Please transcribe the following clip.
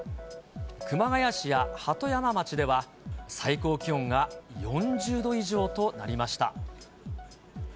熊谷市や鳩山町では最高気温が４０度以上となりました。